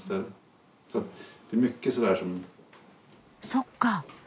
そっか。